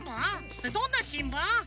それどんなしんぶん？